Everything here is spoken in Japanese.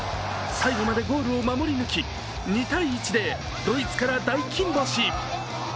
最後までゴールを守り抜き２−１でドイツから大金星。